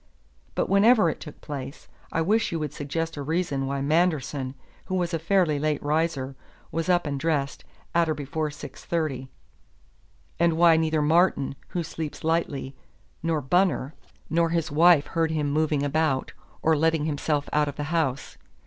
But whenever it took place, I wish you would suggest a reason why Manderson, who was a fairly late riser, was up and dressed at or before six thirty; and why neither Martin, who sleeps lightly, nor Bunner, nor his wife heard him moving about, or letting himself out of the house.